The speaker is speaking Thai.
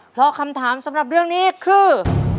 เพราะคำถามสำหรับเรื่องนี้คือ